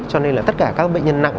cho nên là tất cả các bệnh nhân nặng